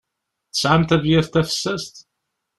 Tesɛam tabyirt tafessast?